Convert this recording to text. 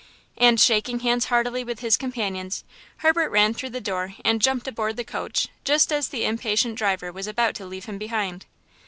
And, shaking hands heartily with his companions, Herbert ran through the door and jumped aboard the coach just as the impatient driver was about to leave him behind.